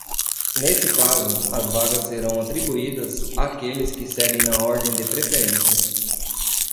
Nesse caso, as vagas serão atribuídas àqueles que seguem na ordem de preferência.